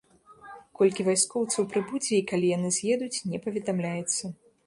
Колькі вайскоўцаў прыбудзе і калі яны з'едуць, не паведамляецца.